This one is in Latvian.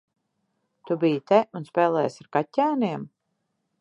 Tu biji te un spēlējies ar kaķēniem?